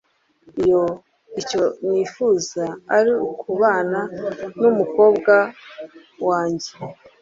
iyo icyo nifuza ari ukubana n'umukobwa wanjye